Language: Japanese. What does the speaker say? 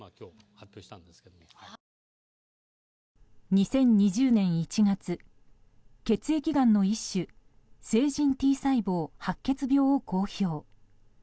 ２０２０年１月血液がんの一種成人Ｔ細胞白血病を公表。